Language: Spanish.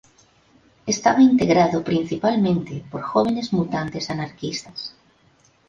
Estaba integrado principalmente por jóvenes mutantes anarquistas.